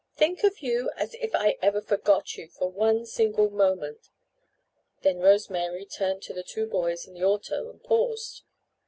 "Think of you! As if I ever forgot you for one single moment!" Then Rose Mary turned to the two boys in the auto and paused.